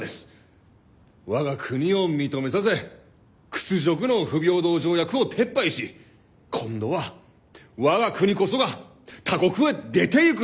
我が国を認めさせ屈辱の不平等条約を撤廃し今度は我が国こそが他国へ出ていくのです！